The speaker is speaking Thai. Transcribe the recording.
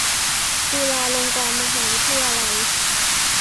จุฬาลงกรณ์มหาวิทยาลัย